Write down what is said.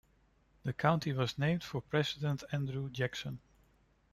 The county was named for President Andrew Jackson.